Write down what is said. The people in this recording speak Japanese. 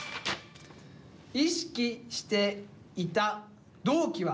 「意識していた同期は？」。